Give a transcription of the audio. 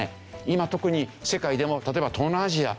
今特に世界でも例えば東南アジア